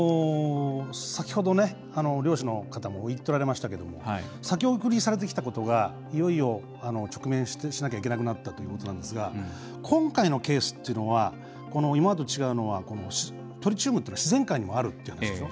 先ほど、漁師の方も言っておられましたけど先送りされていたことがいよいよ直面しなくてはいけなくなったということですけど今回のケースというのは今までと違うのはトリチウムというのは自然界にもあるんです。